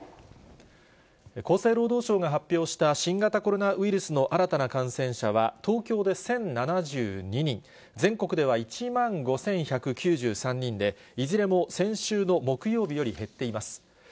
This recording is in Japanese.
厚生労働省が発表した新型コロナウイルスの新たな感染者は、東京で１０７２人、全国では１万５１９３人で、いずれも先週の木曜日より減っています。